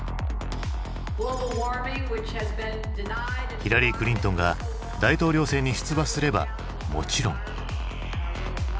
ヒラリー・クリントンが大統領選に出馬すればもちろん。